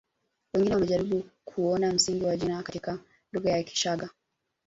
Wengine wamejaribu kuona msingi wa jina katika lugha ya Kichaga